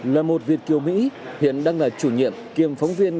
là một việt kiều mỹ hiện đang là chủ nhiệm kiêm phóng viên